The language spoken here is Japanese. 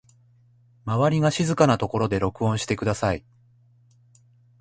周りが静かなところで録音してください